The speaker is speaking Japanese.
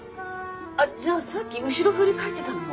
じゃあさっき後ろ振り返ってたのも。